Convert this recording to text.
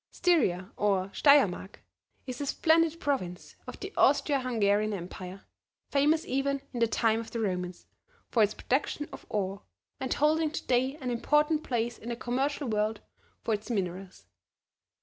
Styria, or Steiermark, is a splendid province of the Austria Hungarian empire, famous even in the time of the Romans, for its production of ore, and holding to day an important place in the commercial world for its minerals.